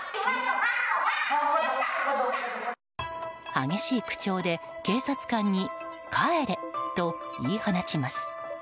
激しい口調で警察官に帰れと言い放ちます。